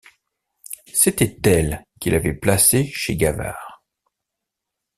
C’était elle qui l’avait placé chez Gavard.